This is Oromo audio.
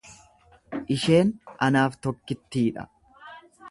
Isheen anaaf tokkittii dha.